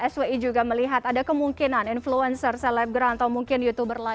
swi juga melihat ada kemungkinan influencer selebgram atau mungkin youtuber lain